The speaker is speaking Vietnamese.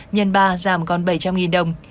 nhân ba giảm còn bảy trăm linh đồng